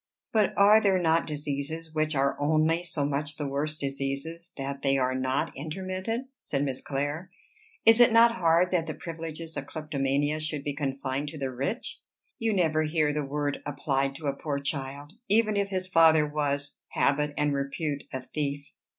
"But are there not diseases which are only so much the worse diseases that they are not intermittent?" said Miss Clare. "Is it not hard that the privileges of kleptomania should be confined to the rich? You never hear the word applied to a poor child, even if his father was, habit and repute, a thief.